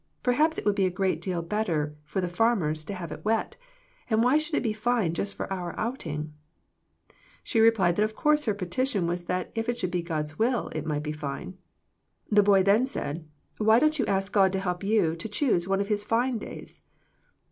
Perhaps it would be a great deal bet ter for the farmers to have it wet, and why should it be fine just for our outing ?" She re plied that of course her petition was that if it should be God's will it might be fine. The boy then said, '' Why don't you ask God to help you to choose one of His fine days